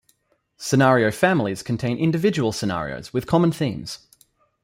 Scenario families contain individual scenarios with common themes.